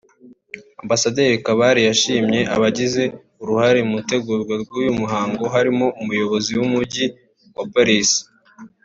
Ambasaderi Kabale yashimye abagize uruhare mu itegurwa ry’uyu muhango barimo Umuyobozi w’Umujyi wa Paris